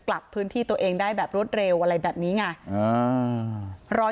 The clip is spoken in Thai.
กลับพื้นที่ตัวเองได้แบบรวดเร็วอะไรแบบนี้ไง